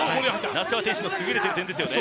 那須川天心の優れている点ですね。